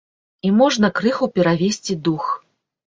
І можна крыху перавесці дух.